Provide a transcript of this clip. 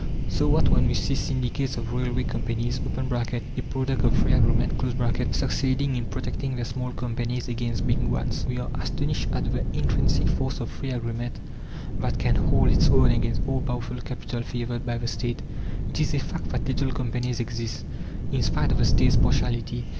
So that, when we see syndicates of railway companies (a product of free agreement) succeeding in protecting their small companies against big ones, we are astonished at the intrinsic force of free agreement that can hold its own against all powerful Capital favoured by the State. It is a fact that little companies exist, in spite of the State's partiality.